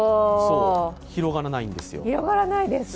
広がらないです。